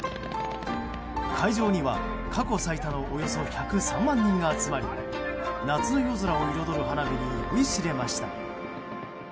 会場には過去最多のおよそ１０３万人が集まり夏の夜空を彩る花火に酔いしれました。